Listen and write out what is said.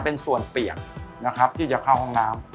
เป็นส่วนเปียกนะครับที่จะเข้าห้องน้ำ